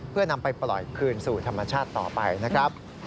เพื่อนำไปปล่อยคืนสู่ธรรมชาติต่อไปนะครับ